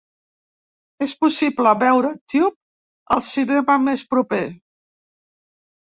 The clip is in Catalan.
És possible veure Tube al cinema més proper.